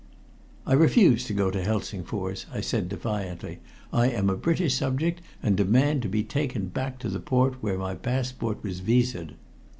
"I refuse to go to Helsingfors," I said defiantly. "I am a British subject, and demand to be taken back to the port where my passport was viséd."